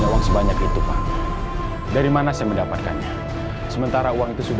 aku akan pergi dari sini sebelum kamu mengurungkan